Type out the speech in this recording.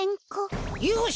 よし！